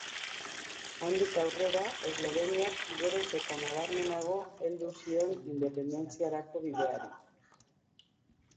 Handik aurrera, Esloveniak geroz eta nabarmenago heldu zion independentziarako bideari.